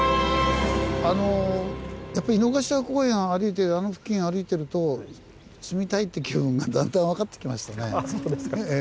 やっぱ井の頭公園を歩いてあの付近歩いてると住みたいって気分がだんだん分かってきましたね。